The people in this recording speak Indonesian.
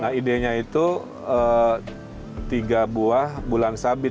nah idenya itu tiga buah bulan sabit